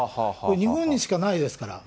日本にしかないですから。